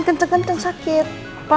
cuman ya rasanya hambar